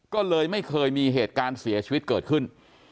ก็เลยไม่เคยมีเหตุการณ์เสียชีวิตเกิดขึ้น